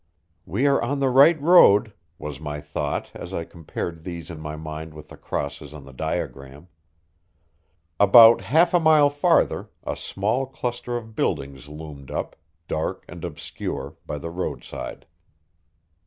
"We are on the right road," was my thought as I compared these in my mind with the crosses on the diagram. About half a mile farther, a small cluster of buildings loomed up, dark and obscure, by the roadside.